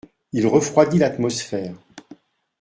Il refroidit l’atmosphère.